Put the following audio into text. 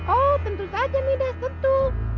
oh tentu saja midas tentu